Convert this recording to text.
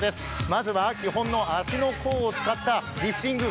まずは基本の足の甲を使ったリフティング。